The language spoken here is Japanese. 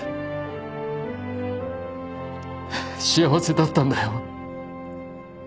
幸せだったんだよ。